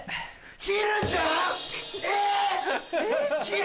ひるちゃん⁉えっ？